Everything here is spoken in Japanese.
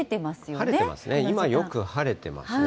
晴れてますね。